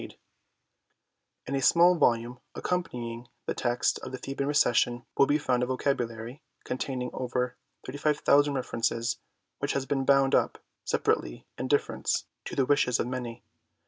PREFACE XV In a small volume accompanying the text of the The ban Recension will be found a Vocabulary, containing over 35,000 references, which has been bound up se parately in deference to the wishes of many.